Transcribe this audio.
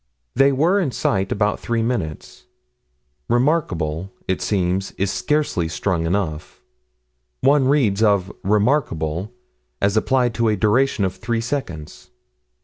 They were in sight about three minutes. "Remarkable," it seems, is scarcely strong enough: one reads of "remarkable" as applied to a duration of three seconds.